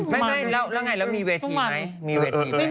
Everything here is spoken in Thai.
ไม่แล้วไงแล้วมีเวทีไหม